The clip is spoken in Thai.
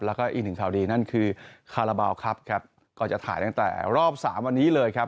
แล้วก็อีกหนึ่งข่าวดีนั่นคือคาราบาลครับครับก็จะถ่ายตั้งแต่รอบสามวันนี้เลยครับ